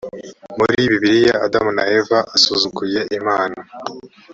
muri bibiliya adamu na eva asuzuguye imana